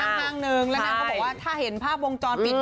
ที่ห้างห้างหนึ่งแล้วนางเขาบอกว่าถ้าเห็นภาพวงจรปิด